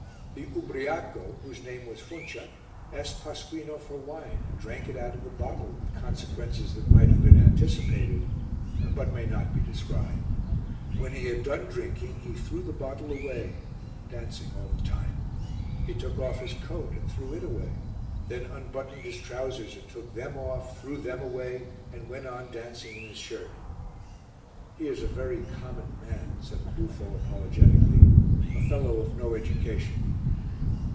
The Ubbriaco, whose name was Funcia, asked Pasquino for wine, and drank it out of the bottle with consequences that might have been anticipated, but may not be described. When he had done drinking, he threw the bottle away, dancing all the time. He took off his coat and threw it away, then unbuttoned his trousers and took them off, threw them away and went on dancing in his shirt. "He is a very common man," said the buffo apologetically; "a fellow of no education."